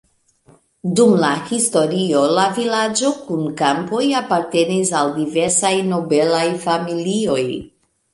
Dum la historio la vilaĝo kun kampoj apartenis al diversaj nobelaj familioj.